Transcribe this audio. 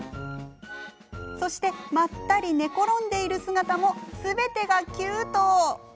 そしてまったり寝転んでいる姿もすべてがキュート。